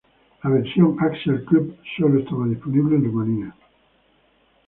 La versión ""Axel Club"" sólo estaba disponible en Rumania.